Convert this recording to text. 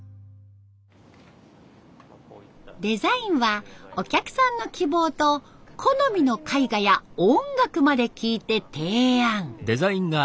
デザインはお客さんの希望と好みの絵画や音楽まで聞いて提案。